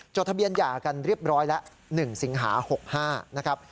จดทะเบียนหย่ากันเรียบร้อยแล้วหนึ่งสิงหาหกห้านะครับ